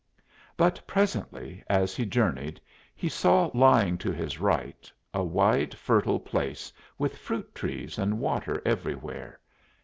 But presently as he journeyed he saw lying to his right a wide, fertile place, with fruit trees and water everywhere.